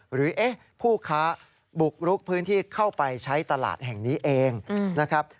หรือผู้ค้าบุกลุกพื้นที่เข้าไปใช้ตลาดแห่งนี้เองนะครับ